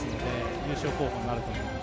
優勝候補になると思います。